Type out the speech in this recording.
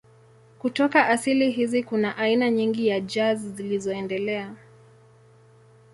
Kutoka asili hizi kuna aina nyingi za jazz zilizoendelea.